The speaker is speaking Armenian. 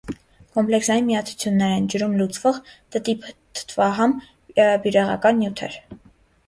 Կոմպլեքսային միացություններ են, ջրում լուծվող, տտիպ թթվահամ բյուրեղական նյութեր։